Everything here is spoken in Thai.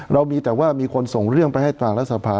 เรามีแต่ว่ามีคนส่งเรื่องไปให้ทางรัฐสภา